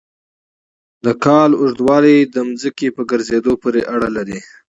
د کال اوږدوالی د ځمکې په ګرځېدو پورې اړه لري.